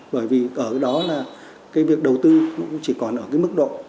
bởi vì ở đó là cái việc đầu tư nó cũng chỉ còn ở cái mức độ